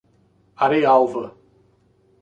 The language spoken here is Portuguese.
Arealva